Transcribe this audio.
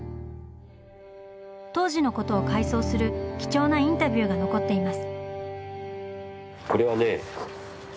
当時のことを回想する貴重なインタビューが残っています。